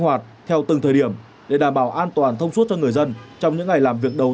hoạt theo từng thời điểm để đảm bảo an toàn thông suốt cho người dân trong những ngày làm việc đầu